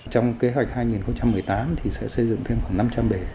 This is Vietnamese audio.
trong kế hoạch hai nghìn một mươi tám thì sẽ xây dựng thêm khoảng năm trăm linh bể